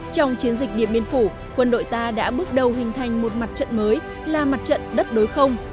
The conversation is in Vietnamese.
trong chiến dịch điện biên phủ quân đội ta đã bước đầu hình thành một mặt trận mới là mặt trận đất đối không